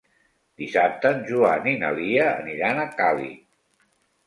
Dissabte en Joan i na Lia aniran a Càlig.